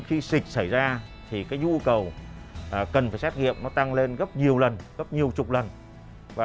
khi dịch xảy ra thì cái nhu cầu cần phải xét nghiệm nó tăng lên gấp nhiều lần gấp nhiều chục lần